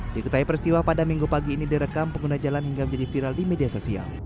di ketai peristiwa pada minggu pagi ini direkam pengguna jalan hingga menjadi viral di media sosial